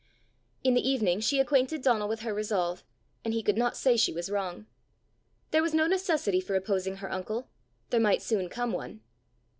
In the evening, she acquainted Donal with her resolve, and he could not say she was wrong. There was no necessity for opposing her uncle there might soon come one!